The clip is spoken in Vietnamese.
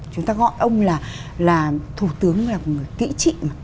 chúng ta gọi ông là thủ tướng là người kỹ trị